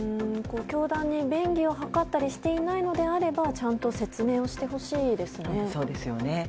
教団に便宜を図ったりしていないのであればちゃんと説明をしてほしいですね。